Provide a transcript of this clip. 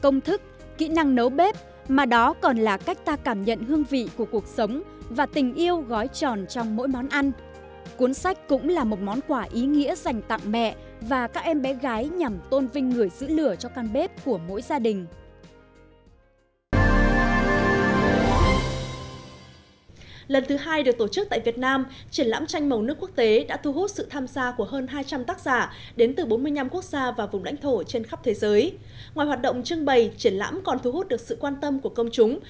ngoài hoạt động trưng bày triển lãm còn thu hút được sự quan tâm của công chúng